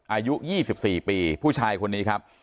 อายุ๒๔ปีผู้ชายคนนี้ครับ